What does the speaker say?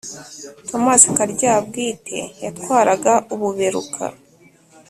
Thomasi Karyabwite yatwaraga Ububeruka.